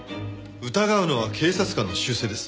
疑うのは警察官の習性です。